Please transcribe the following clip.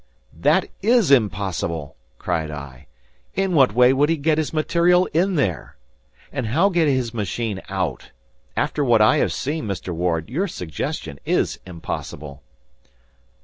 "That is impossible!" cried I. "In what way would he get his material in there? And how get his machine out? After what I have seen, Mr. Ward, your suggestion is impossible."